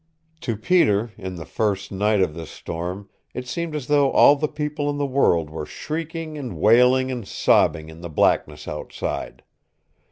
To Peter, in the first night of this storm, it seemed as though all the people in the world were shrieking and wailing and sobbing in the blackness outside.